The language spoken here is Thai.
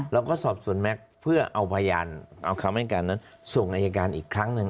สอบสวนแม็กซ์เพื่อเอาพยานเอาคำให้การนั้นส่งอายการอีกครั้งหนึ่ง